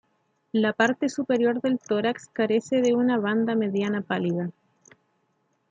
La parte superior del tórax carece de una banda mediana pálida.